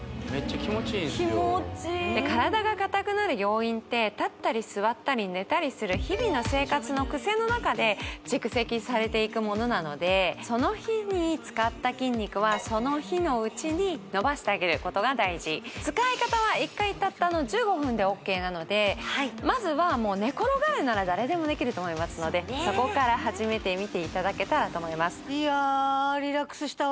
気持ちいい立ったり座ったり寝たりする日々の生活の癖の中で蓄積されていくものなのでその日に使った筋肉はその日のうちに伸ばしてあげることが大事使い方は１回たったの１５分でＯＫなのでまずは寝転がるなら誰でもできると思いますのでそこから始めてみていただけたらと思います